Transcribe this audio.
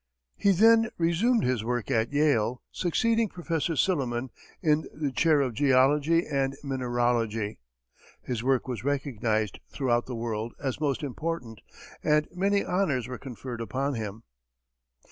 He then resumed his work at Yale, succeeding Prof. Silliman in the chair of geology and mineralogy. His work was recognized throughout the world as most important, and many honors were conferred upon him.